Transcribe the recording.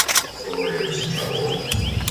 Gloria was in trouble.